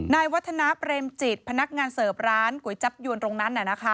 นายวัฒนาเปรมจิตพนักงานเสิร์ฟร้านก๋วยจับยวนตรงนั้น